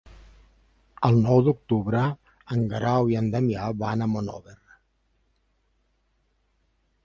El nou d'octubre en Guerau i en Damià van a Monòver.